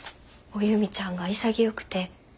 おゆみちゃんが潔くて。